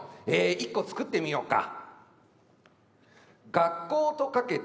一個作ってみようか。